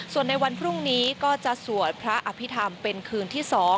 ส่วนในวันพรุ่งนี้ก็จะสวดพระอภิษฐรรมเป็นคืนที่๒